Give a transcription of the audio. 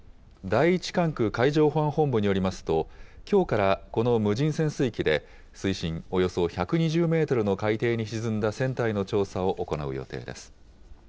第１管区海上保安本部によりますと、きょうからこの無人潜水機で、水深およそ１２０メートルの海底に沈んだ船体の調査を行う予定です。